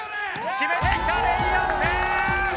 決めていったレイアップ！